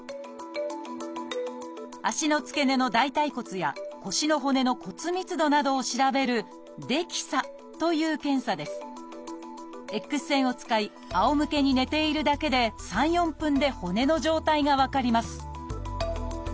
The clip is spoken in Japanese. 足の付け根の大腿骨や腰の骨の骨密度などを調べるＸ線を使いあおむけに寝ているだけで３４分で骨の状態が分かります